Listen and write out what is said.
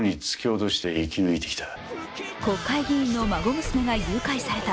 国会議員の孫娘が誘拐された。